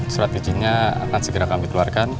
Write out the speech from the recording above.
strateginya akan segera kami keluarkan